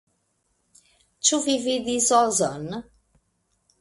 Ĉu vi vidis Ozon?